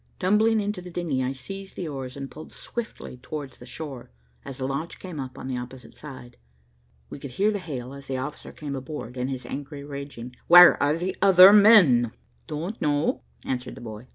Tumbling into the dingy, I seized the oars and pulled swiftly towards the shore, as the launch came up on the opposite side. We could hear the hail as the officer came aboard, and his angry raging "Where are the other men?" "Don't know," answered the boy.